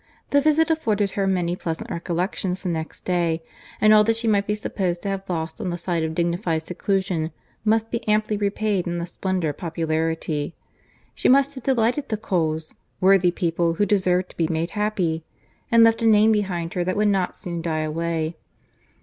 The visit afforded her many pleasant recollections the next day; and all that she might be supposed to have lost on the side of dignified seclusion, must be amply repaid in the splendour of popularity. She must have delighted the Coles—worthy people, who deserved to be made happy!—And left a name behind her that would not soon die away.